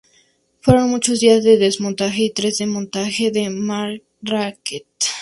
Fueron muchos días de desmontaje, y tres de montaje en Marrakech".